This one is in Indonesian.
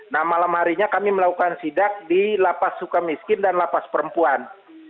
nah malam harinya kami melakukan sidak di lapas suka miskin dan lapas perempuan